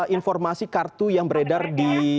informasi kartu yang beredar di